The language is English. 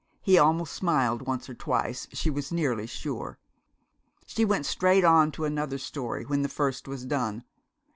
He almost smiled once or twice, she was nearly sure. She went straight on to another story when the first was done.